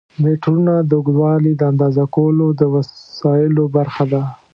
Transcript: میټرونه د اوږدوالي د اندازه کولو د وسایلو برخه ده.